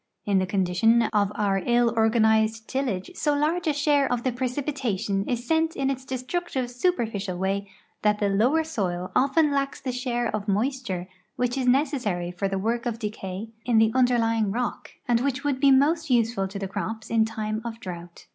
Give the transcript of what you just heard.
In the con dition of our ill organized tillage so large a share of the precipi tation is sent in its destructive superficial Avay that the lower soil often lacks the share of moisture which is necessary for the work of decay in the underlying rock, and which would be most use ful to the crops in time of drought.